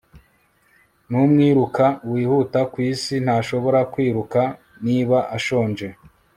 n'umwiruka wihuta kwisi ntashobora kwiruka niba ashonje